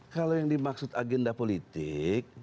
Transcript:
kalau yang dimaksud agenda politik